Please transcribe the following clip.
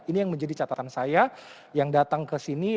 ini yang menjadi catatan saya yang datang ke sini